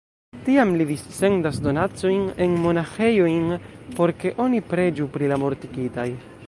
Tiam li dissendas donacojn en monaĥejojn, por ke oni preĝu pri la mortigitaj.